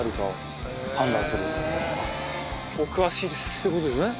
前。ってことですよね。